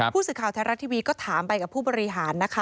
ผู้สื่อข่าวไทยรัฐทีวีก็ถามไปกับผู้บริหารนะคะ